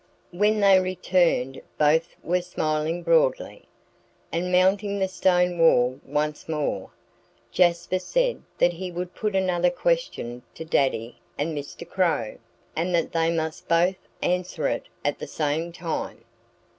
When they returned both were smiling broadly. And mounting the stone wall once more, Jasper said that he would put another question to Daddy and Mr. Crow, and that they must both answer it at the same time.